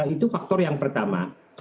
itu faktor yang pertama